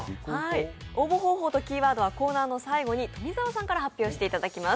応募方法とキーワードはコーナーの最後に富澤さんから発表していただきます。